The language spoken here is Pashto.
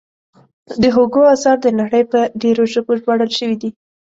د هوګو اثار د نړۍ په ډېرو ژبو ژباړل شوي دي.